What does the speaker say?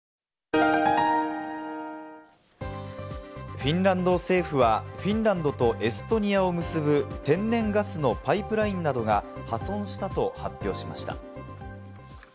フィンランド政府は、フィンランドとエストニアを結ぶ天然ガスのパイプラインなどが破損したと発表しました。